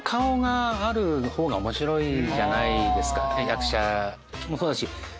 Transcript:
役者もそうだし